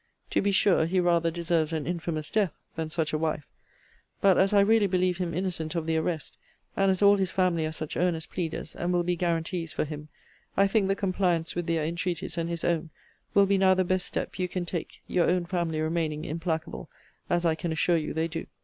To be sure, he rather deserves an infamous death than such a wife. But as I really believe him innocent of the arrest, and as all his family are such earnest pleaders, and will be guarantees, for him, I think the compliance with their entreaties, and his own, will be now the best step you can take; your own family remaining implacable, as I can assure you they do.